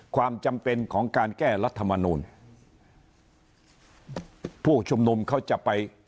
ความจำเป็นของการแก้รัฐมนูลผู้ชุมนุมเขาจะไป